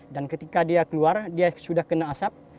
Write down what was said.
dan ketika dia keluar dia sudah kena asap